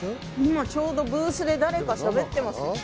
今ちょうどブースで誰かしゃべってます。